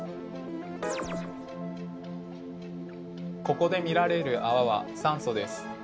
ここで見られるあわは酸素です。